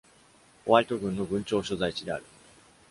ホワイト郡の郡庁所在地である。